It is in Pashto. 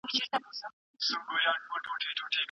موږ په تېر وخت کې ساده ژوند درلود.